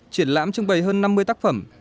triển lãm trưng bày hơn năm mươi tác phẩm